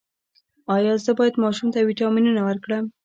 ایا زه باید ماشوم ته ویټامینونه ورکړم؟